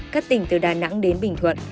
các tỉnh từ đà nẵng đến bình thuận